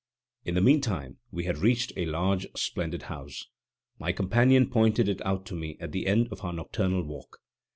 In the meantime we had reached a large, splendid house. My companion pointed it out to me as the end of our nocturnal walk.